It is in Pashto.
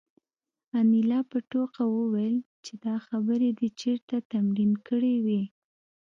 انیلا په ټوکه وویل چې دا خبرې دې چېرته تمرین کړې وې